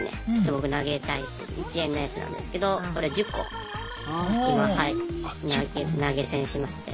僕投げたいと１円のやつなんですけどこれ１０個今はい投げ銭しまして。